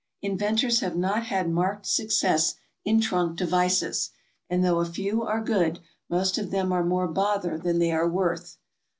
Inventors have not had marked success in trunk devices, and though a few are good, most of them are more bother than they are worth.